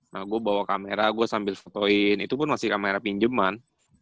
nah gua bawa kamera gua sambil fotoin itu pun masih kamera pinjeman